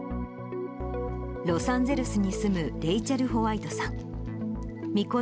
ロサンゼルスに住むレイチェル・ホワイトさん。